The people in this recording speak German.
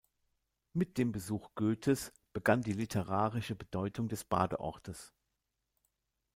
Mit dem Besuch Goethes begann die literarische Bedeutung des Badeortes.